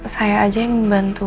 saya aja yang bantu